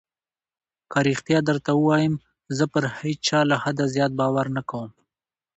که رښتيا درته ووايم زه پر هېچا له حده زيات باور نه کوم.